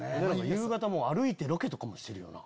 夕方も歩いてロケとかもしてるよな。